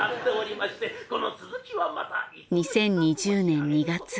２０２０年２月。